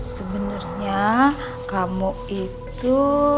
sebenernya kamu itu